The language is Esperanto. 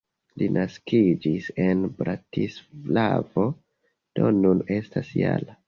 Li naskiĝis en Bratislavo, do nun estas -jara.